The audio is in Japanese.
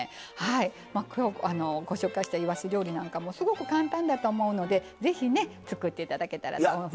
きょうご紹介したいわし料理なんかもすごく簡単だと思うので是非ね作って頂けたらなと思います。